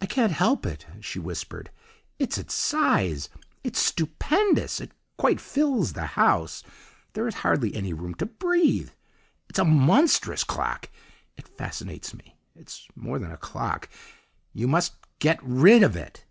"'I can't help it,' she whispered. 'It's its size! it's stupendous! It quite fills the house! there is hardly any room to breathe! It's a monstrous clock! It fascinates me! It's more than a clock. You must GET RID of it.